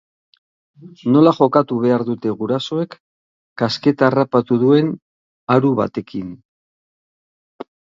Nola jokatu behar dute gurasoek kasketa harrapatu duen haru batekin?